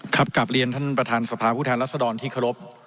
กลับเรียนท่านประธานสภาผู้แทนรัศดรที่เคารพ